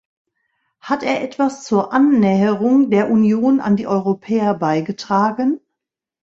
Hat er etwas zur Annäherung der Union an die Europäer beigetragen?